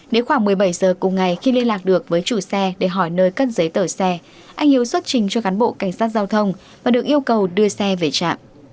đến khoảng một mươi bảy giờ cùng ngày khi liên lạc được với chủ xe để hỏi nơi cắt giấy tờ xe anh hiếu xuất trình cho cán bộ cảnh sát giao thông và được yêu cầu đưa xe về trạm